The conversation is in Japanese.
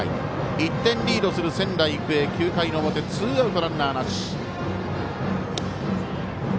１点リードする仙台育英９回の表ツーアウト、ランナーなし。